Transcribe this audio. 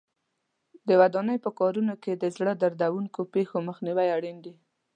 د ودانۍ په کارونو کې د زړه دردوونکو پېښو مخنیوی اړین دی.